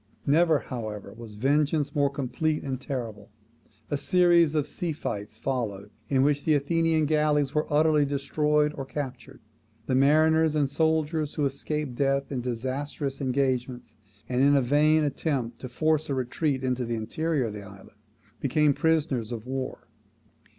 Never, however, was vengeance more complete and terrible. A series of sea fights followed, in which the Athenian galleys were utterly destroyed or captured. The mariners and soldiers who escaped death in disastrous engagements, and in a vain: attempt to force a retreat into the interior of the island, became prisoners of war.